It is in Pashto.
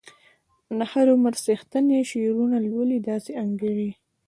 د هر عمر څښتن چې شعرونه لولي داسې انګیري.